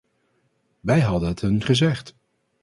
Wij hadden het hun gezegd.